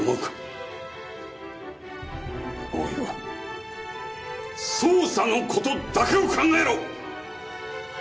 大岩捜査の事だけを考えろ！